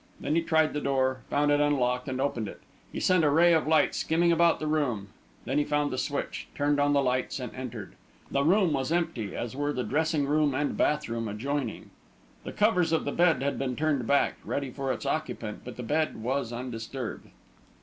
Then he tried the door, found it unlocked, and opened it. He sent a ray of light skimming about the room; then he found the switch, turned on the lights, and entered. The room was empty, as were the dressing room and bath room adjoining. The covers of the bed had been turned back, ready for its occupant, but the bed was undisturbed.